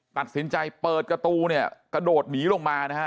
ตัดสินใจเปิดกระตูกระโดดหนีลงมา